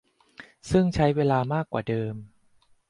ซึ่งใช้เวลามากกว่าเดิม